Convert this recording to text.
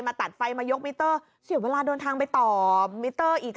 ตัดไฟมายกมิเตอร์เสียเวลาเดินทางไปต่อมิเตอร์อีก